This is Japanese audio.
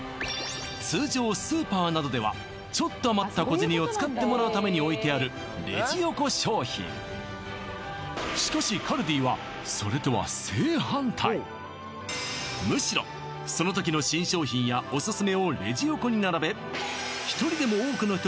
通常スーパーなどではちょっと余った小銭を使ってもらうために置いてあるレジ横商品しかしむしろその時の新商品やオススメをレジ横に並べ一人でもなので